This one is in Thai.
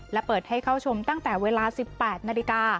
และเปิดให้เข้าชมตั้งแต่เวลา๑๘นาฬิกา